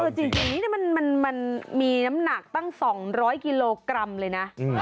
จริงนี่มันมีน้ำหนักตั้ง๒๐๐กิโลกรัมเลยนะ